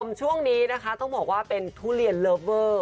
คุณผู้ชมช่วงนี้นะคะต้องบอกว่าเป็นทุเรียนรัฟเวอร์